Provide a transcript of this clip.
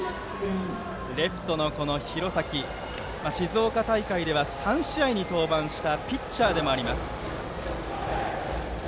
レフトの廣崎静岡大会では３試合に登板したピッチャーでもあります。